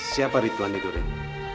siapa ritu ani durin